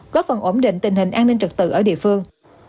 góp phần ổn định tình hình an ninh trật tự ở địa phương